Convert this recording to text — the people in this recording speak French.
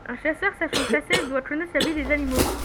Un chasseur sachant chasser doit connaître la vie des animaux